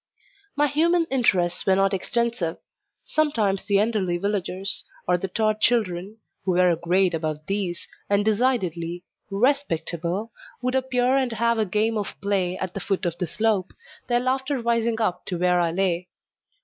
My human interests were not extensive. Sometimes the Enderley villagers, or the Tod children, who were a grade above these, and decidedly "respectable," would appear and have a game of play at the foot of the slope, their laughter rising up to where I lay.